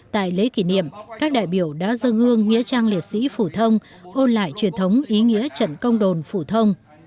tại lễ kỷ niệm các đại biểu đã dâng hương nghĩa trang liệt sĩ phủ thông ôn lại truyền thống ý nghĩa trận công đồn phủ thông